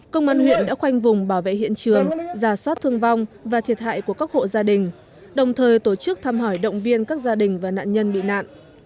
công an huyện đã khoanh vùng bảo vệ hiện trường giả soát thương vong và thiệt hại của các hộ gia đình đồng thời tổ chức thăm hỏi động viên các gia đình và nạn nhân bị nạn